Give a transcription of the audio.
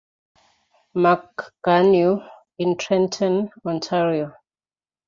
Marc-Garneau in Trenton, Ontario.